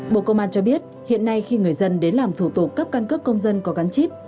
bộ công an cho biết hiện nay khi người dân đến làm thủ tục cấp căn cước công dân có gắn chip